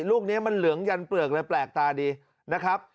ลูกนี้มันเหลืองยันเปลือกเลยแปลกตาดีนะครับ